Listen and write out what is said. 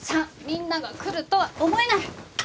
３みんなが来るとは思えない。